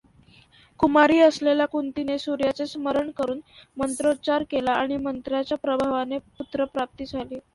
कुमारी असलेल्या कुंतीने सूर्याचे स्मरण करून मंत्रोच्चार केला, आणि मंत्राच्या प्रभावाने पुत्रप्राप्ती झाली.